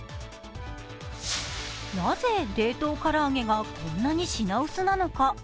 なぜ冷凍唐揚げがこんなに品薄なのか？